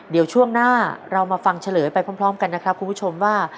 เดี๋ยวช่วงหน้าเรามาฟังเฉลยไปพร้อมกันนะครับคุณผู้ชมว่า